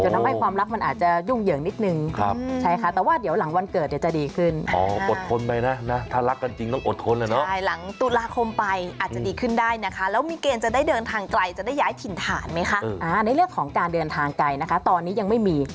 ในเรื่องของการเดินทางไกลนะคะตอนนี้ยังไม่มี